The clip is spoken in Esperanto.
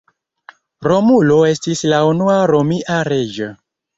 Romulo estis la unua Romia reĝo.